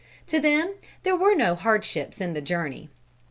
To them there were no hardships in the journey.